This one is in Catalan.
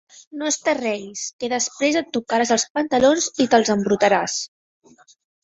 No esterregis, que després et tocaràs els pantalons i te'ls embrutaràs.